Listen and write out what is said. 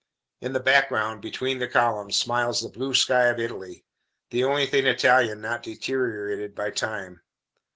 In the background, between the columns, smiles the blue sky of Italy the only thing Italian not deteriorated by time.